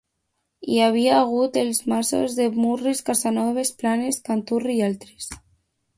Hi havia hagut els masos de Murris, Casanoves, Planes, Canturri i altres.